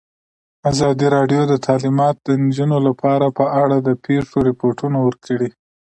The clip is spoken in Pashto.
ازادي راډیو د تعلیمات د نجونو لپاره په اړه د پېښو رپوټونه ورکړي.